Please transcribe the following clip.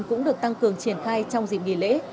cũng được tăng cường triển khai trong dịp nghỉ lễ